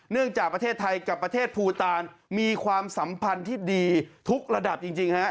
จากประเทศไทยกับประเทศภูตานมีความสัมพันธ์ที่ดีทุกระดับจริงฮะ